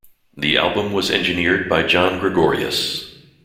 The album was engineered by John Gregorius.